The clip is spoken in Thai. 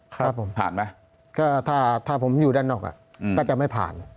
ครับผมผ่านไหมก็ถ้าผมอยู่ด้านนอกก็จะไม่ผ่าน